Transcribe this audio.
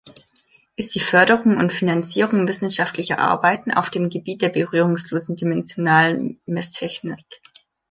Ist die Förderung und Finanzierung wissenschaftlicher Arbeiten auf dem Gebiet der berührungslosen dimensionalen Messtechnik.